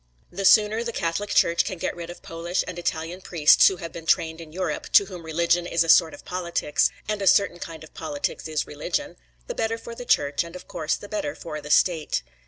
The sooner the Catholic Church can get rid of Polish and Italian priests who have been trained in Europe, to whom religion is a sort of politics, and a certain kind of politics is religion, the better for the Church and of course the better for the State.